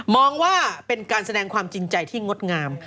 ว่าเป็นการแสดงความจริงใจที่งดงาม